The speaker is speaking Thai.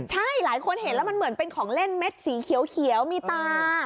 ใช่หลายคนเห็นแล้วมันเหมือนเป็นของเล่นเม็ดสีเขียวมีตา